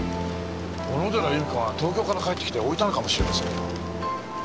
小野寺由美子が東京から帰ってきて置いたのかもしれません。